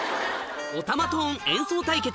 オタマトーン演奏対決